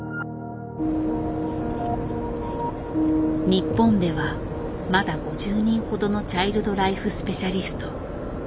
日本ではまだ５０人ほどのチャイルド・ライフ・スペシャリスト。